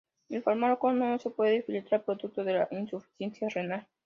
El fármaco no se puede filtrar producto de la insuficiencia renal.